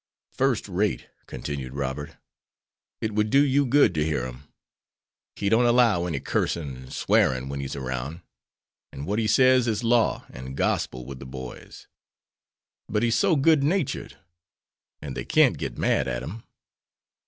"First rate," continued Robert. "It would do you good to hear him. He don't allow any cursing and swearing when he's around. And what he says is law and gospel with the boys. But he's so good natured; and they can't get mad at him."